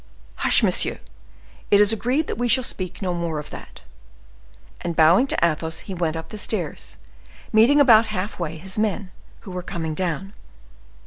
"Hush! monsieur, it is agreed that we shall speak no more of that." And bowing to Athos, he went up the stairs, meeting about half way his men, who were coming down.